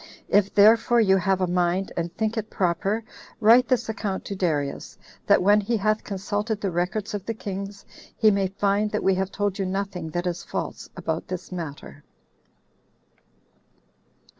If therefore you have a mind, and think it proper, write this account to Darius, that when he hath consulted the records of the kings, he may find that we have told you nothing that is false about this matter."